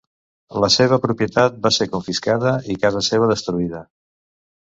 La seva propietat va ser confiscada i casa seva destruïda.